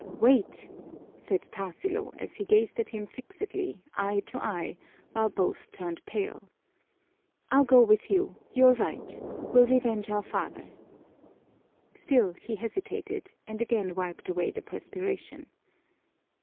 "Wait!" said Tarsilo, as he gazed at him fixedly, eye to eye, while both turned pale. "I'll go with you, you're right. We'll revenge our father." Still, he hesitated, and again wiped away the perspiration.